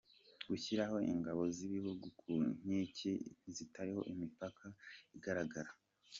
Gushyira ingabo z’ibihugu ku nkike zitariho imipaka igaragara.